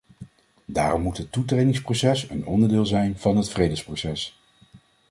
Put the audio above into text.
Daarom moet het toetredingsproces een onderdeel zijn van het vredesproces.